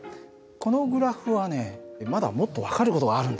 このグラフはねまだもっと分かる事があるんだよ。